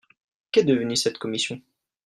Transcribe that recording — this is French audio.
Qu'est devenu cette commission ?